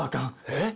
えっ？